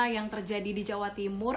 yang terjadi di jawa timur